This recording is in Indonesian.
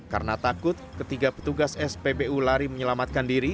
karena takut ketiga petugas spbu lari menyelamatkan diri